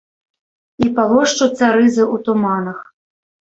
І палошчуцца рызы ў туманах.